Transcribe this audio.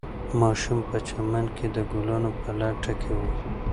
ماشوم په چمن کې د ګلانو په لټه کې و.